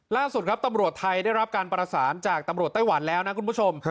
ล่าสุดครับตำรวจไทยได้รับการประสานจากตำรวจไต้หวันแล้วนะคุณผู้ชม